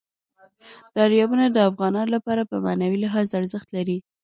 دریابونه د افغانانو لپاره په معنوي لحاظ ارزښت لري.